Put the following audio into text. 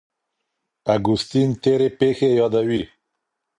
اګوستين تېرې پېښې يادوي.